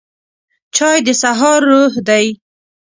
چای د سهار روح دی